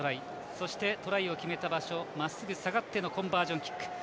そして、トライを決めた場所まっすぐ下がってのコンバージョンキック。